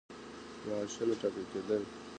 معاشونه ټاکل کېدل.